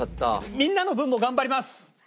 みんなの分も頑張ります！